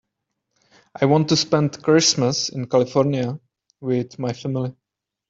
I want to spend Christmas in California with my family.